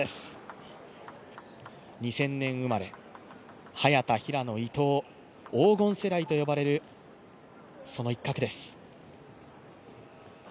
２０００年生まれ、早田、平野、伊藤、黄金世代と呼ばれるその一角です。